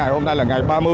hôm nay là ngày ba mươi